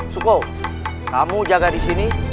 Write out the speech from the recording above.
suko kamu jaga di sini